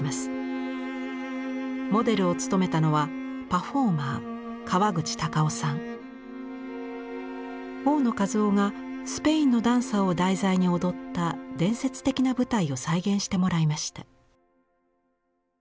モデルを務めたのは大野一雄がスペインのダンサーを題材に踊った伝説的な舞台を再現してもらいました。